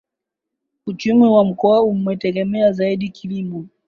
Uchumi wa Mkoa unategemea zaidi kilimo